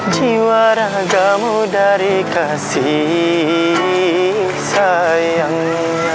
jiwa ragamu dari kasih sayang